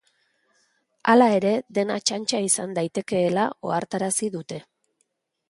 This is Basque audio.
Hala ere, dena txantxa izan daitekeela ohartarazi dute.